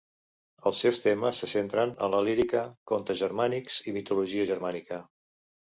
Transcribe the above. Els seus temes se centren en la lírica contes germànics i mitologia germànica.